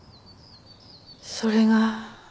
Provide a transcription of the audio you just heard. それが。